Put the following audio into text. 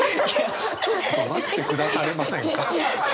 ちょっと待ってくださいませんか？